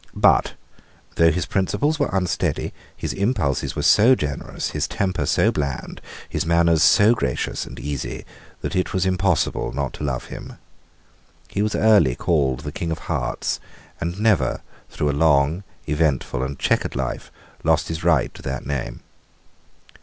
But, though his principles were unsteady, his impulses were so generous, his temper so bland, his manners so gracious and easy, that it was impossible not to love him. He was early called the King of Hearts, and never, through a long, eventful, and chequered life, lost his right to that name.